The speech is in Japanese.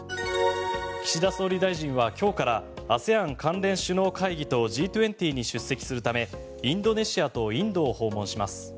岸田総理大臣は今日からＡＳＥＡＮ関連首脳会議とＧ２０に出席するためインドネシアとインドを訪問します。